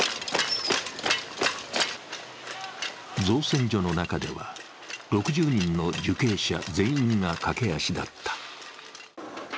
造船所の中では６０人の受刑者全員が駆け足だった。